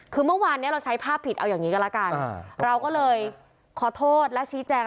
คือเมื่อวานเนี้ยเราใช้ภาพผิดเอาอย่างนี้ก็แล้วกันเราก็เลยขอโทษและชี้แจง